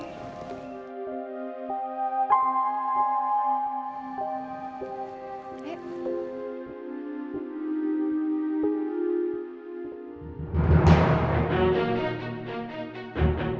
sarapan dulu bareng adik kamu yuk